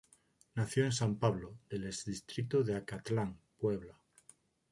Nació en San Pablo, del ex distrito de Acatlán, Puebla.